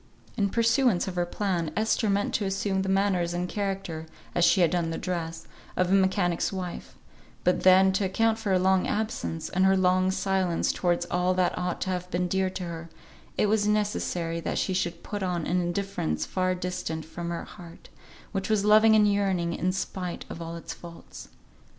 In pursuance of her plan, Esther meant to assume the manners and character, as she had done the dress, of a mechanic's wife; but then, to account for her long absence, and her long silence towards all that ought to have been dear to her, it was necessary that she should put on an indifference far distant from her heart, which was loving and yearning, in spite of all its faults.